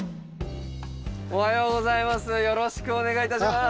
おはようございます。